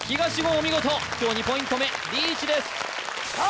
見事今日２ポイント目リーチですさあ